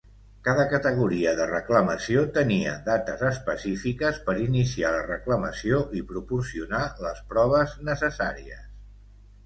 Cada categoria de reclamació tenia dates específiques per iniciar la reclamació i proporcionar les proves necessàries.